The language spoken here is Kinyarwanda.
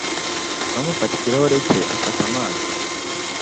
Tom afata ikirahure cye afata amazi.